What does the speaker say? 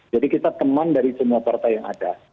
jadi kita teman dari semua partai yang ada